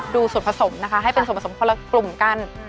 ดูส่วนผสมนะคะให้เป็นส่วนผสมคนละกลุ่มกัน